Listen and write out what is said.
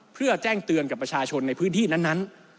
เพื่อแจ้งเตือนกับประชาชนในพื้นที่นั้น